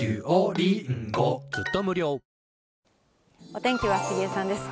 お天気は杉江さんです。